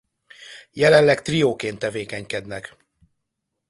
Jelenleg trióként tevékenykednek.